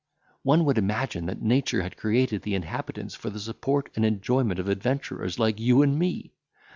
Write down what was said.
"One would imagine that nature had created the inhabitants for the support and enjoyment of adventurers like you and me.